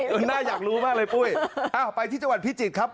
น่าอยากรู้มากเลยปุ้ยอ้าวไปที่จังหวัดพิจิตรครับ